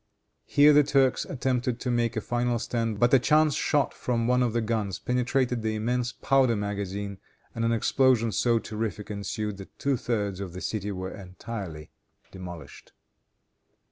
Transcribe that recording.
Here the Turks attempted to make a final stand, but a chance shot from one of the guns penetrated the immense powder magazine, and an explosion so terrific ensued that two thirds of the city were entirely demolished.